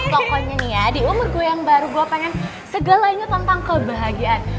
pokoknya nih ya di umur gue yang baru gue pengen segalanya tentang kebahagiaan